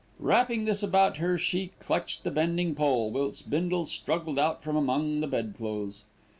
Wrapping this about her, she clutched at the bending pole, whilst Bindle struggled out from among the bedclothes.